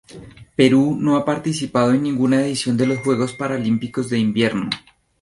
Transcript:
Perú no ha participado en ninguna edición de los Juegos Paralímpicos de Invierno.